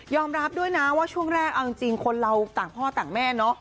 รับด้วยนะว่าช่วงแรกเอาจริงคนเราต่างพ่อต่างแม่เนาะ